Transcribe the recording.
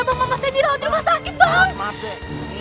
udah mama saya dirawat di rumah sakit bang